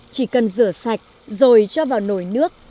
chỉ cần rửa sạch rồi cho vào nồi nước